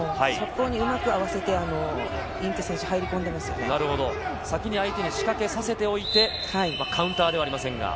うまく合わせてインツェ選手先に相手に仕掛けさせておいてカウンターではありませんが。